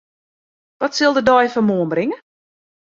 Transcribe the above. Wat sil de dei fan moarn bringe?